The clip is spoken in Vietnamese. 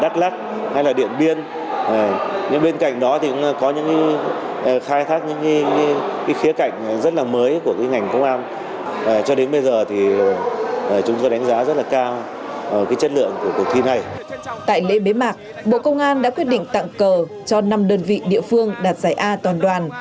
tại lễ bế mạc bộ công an đã quyết định tặng cờ cho năm đơn vị địa phương đạt giải a toàn đoàn